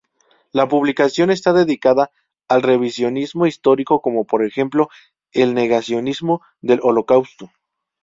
La publicación está dedicada al revisionismo histórico, como por ejemplo el negacionismo del Holocausto.